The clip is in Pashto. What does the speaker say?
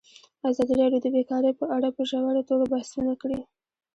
ازادي راډیو د بیکاري په اړه په ژوره توګه بحثونه کړي.